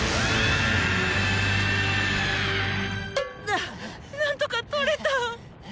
ななんとかとれた！